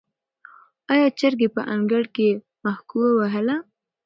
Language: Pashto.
آیا چرګې په انګړ کې مښوکه وهله؟